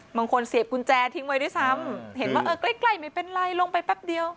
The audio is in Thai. บางคนเสียบวิเคราะห์ทิ้งไว้ด้วยซ้ำเห็นว่าไกลไม่เป็นไรลงไปแป๊บเดียว